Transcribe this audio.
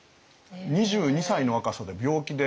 ２２歳の若さで病気で。